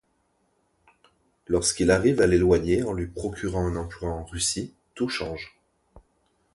Lorsqu'il arrive à l'éloigner en lui procurant un emploi en Russie, tout change.